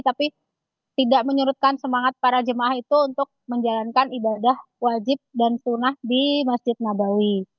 tapi tidak menyurutkan semangat para jemaah itu untuk menjalankan ibadah wajib dan sunnah di masjid nabawi